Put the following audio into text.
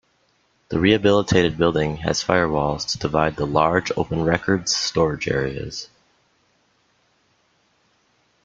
The rehabilitated building has firewalls to divide the large, open records storage areas.